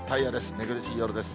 寝苦しい夜です。